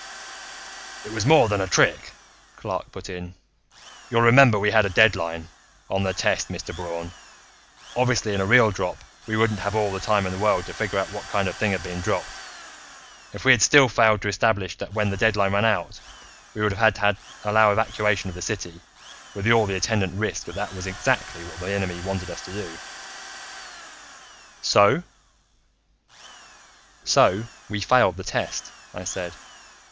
"It was more than a trick," Clark put in. "You'll remember we had a deadline on the test, Mr. Braun. Obviously, in a real drop we wouldn't have all the time in the world to figure out what kind of a thing had been dropped. If we had still failed to establish that when the deadline ran out, we would have had to allow evacuation of the city, with all the attendant risk that that was exactly what the enemy wanted us to do." "So?" "So we failed the test," I said.